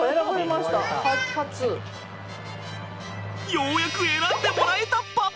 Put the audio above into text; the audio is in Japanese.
ようやく選んでもらえたパパ！